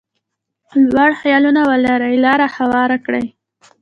لوړ خیالونه ولري لاره هواره کړي.